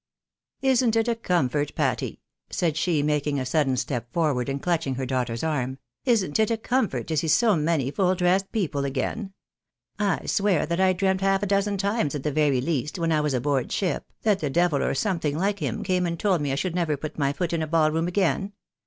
"Isn't it a comfort, Patty," said she, making a sudden step forward, and clutching her daughter's arm, " isn't it a comfort to see MRS. BAENABY THE LIOX OF THE PARTY. 101 Eo many full dressed people again ? I swear that I dreamt lialf a dozen times at the very least, when I was aboard ship, that the devil, or something like him, came and told me I should never put my foot in a ball room again.